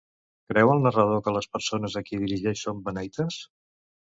Creu el narrador que les persones a qui es dirigeix són beneites?